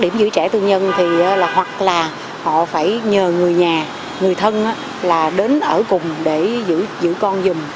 người trẻ tư nhân thì hoặc là họ phải nhờ người nhà người thân là đến ở cùng để giữ con giùm